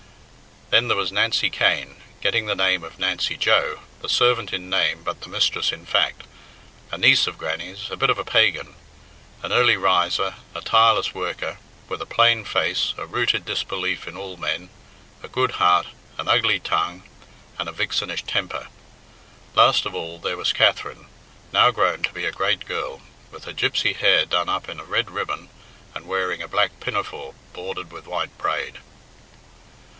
Then there was Nancy Cain, getting the name of Nancy Joe, the servant in name but the mistress in fact, a niece of Grannie's, a bit of a Pagan, an early riser, a tireless worker, with a plain face, a rooted disbelief in all men, a good heart, an ugly tongue, and a vixenish temper. Last of all, there was Katherine, now grown to be a great girl, with her gipsy hair done up in a red ribbon and wearing a black pinafore bordered with white braid.